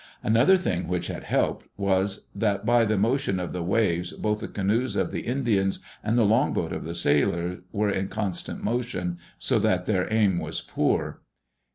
Another thing which had helped was that, by the motion of the waves, both the canoes of the Indians and the longboat of the sailors were in constant motion, so that their aim was poor.